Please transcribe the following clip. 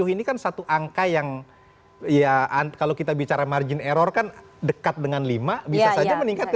sepuluh ini kan satu angka yang ya kalau kita bicara margin error kan dekat dengan lima bisa saja meningkat